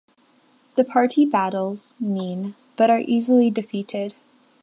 The party battles Nene, but are easily defeated.